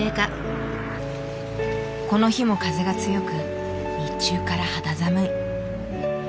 この日も風が強く日中から肌寒い。